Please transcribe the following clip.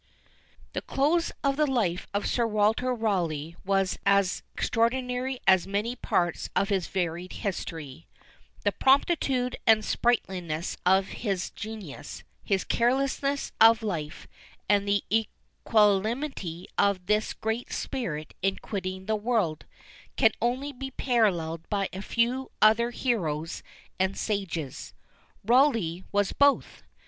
The close of the life of Sir Walter Rawleigh was as extraordinary as many parts of his varied history; the promptitude and sprightliness of his genius, his carelessness of life, and the equanimity of this great spirit in quitting the world, can only be paralleled by a few other heroes and sages. Rawleigh was both!